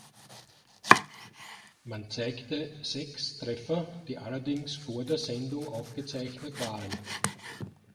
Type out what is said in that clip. Man zeigte sechs Treffer, die allerdings vor der Sendung aufgezeichnet waren.